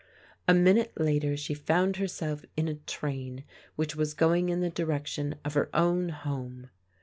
A minute later she found herself in a train which was going in the direc tion of her own home.